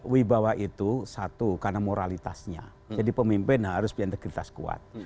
wibawa itu satu karena moralitasnya jadi pemimpin harus berintegritas kuat